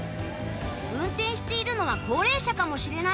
運転しているのは高齢者かもしれない」。